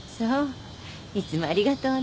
いつもありがとうね。